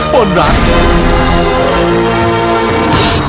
ป้นรัก